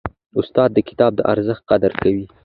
استاد د کتاب د ارزښت قدر کوي.